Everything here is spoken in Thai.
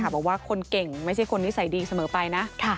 บอกว่าคนเก่งไม่ใช่คนนิสัยดีเสมอไปนะ